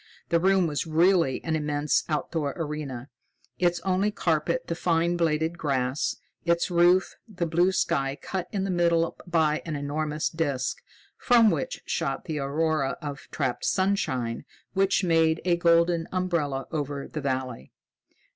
The room was really an immense outdoor arena, its only carpet the fine bladed grass, its roof the blue sky cut in the middle by an enormous disc from which shot the aurora of trapped sunshine which made a golden umbrella over the valley.